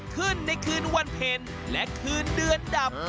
ในคืนวันเพ็ญและคืนเดือนดับ